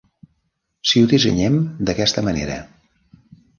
Si ho dissenyem d'aquesta manera.